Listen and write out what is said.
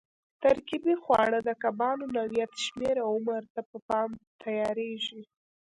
ترکیبي خواړه د کبانو نوعیت، شمېر او عمر ته په پام تیارېږي.